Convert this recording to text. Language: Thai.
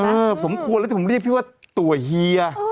สมควรแล้วที่ผมเรียกพี่ว่าตัวเฮีย